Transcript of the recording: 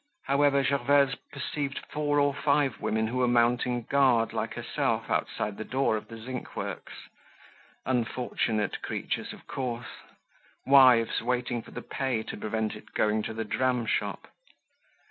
However, Gervaise perceived four or five women who were mounting guard like herself outside the door of the zinc works; unfortunate creatures of course—wives watching for the pay to prevent it going to the dram shop.